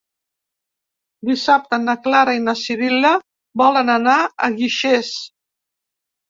Dissabte na Clara i na Sibil·la volen anar a Guixers.